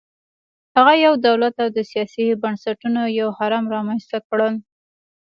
هغه یو دولت او د سیاسي بنسټونو یو هرم رامنځته کړل